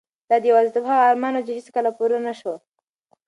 دا د یوازیتوب هغه ارمان و چې هیڅکله پوره نشو.